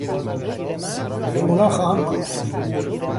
به اونا خواهم گفت.